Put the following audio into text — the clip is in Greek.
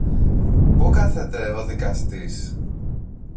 Πού κάθεται ο δικαστής;